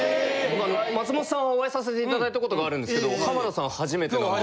松本さんはお会いさせていただいた事があるんですけど浜田さんは初めてなんで。